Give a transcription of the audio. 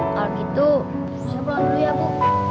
kalau gitu jangan buat berdua bu